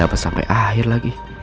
aku sudah sepeda